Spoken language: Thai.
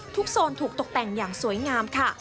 โซนถูกตกแต่งอย่างสวยงามค่ะ